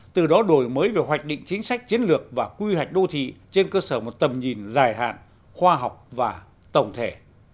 từ đó đổi mới về hoạch định chính sách chiến lược và quy hoạch đô thị trên cơ sở một tầm nhìn dài hạn khoa học và tổng thể